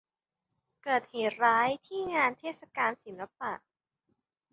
เกิดเหตุร้ายที่งานเทศกาลศิลปะ